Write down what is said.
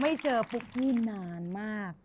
ไม่เจอปุ๊กกี้นานมาก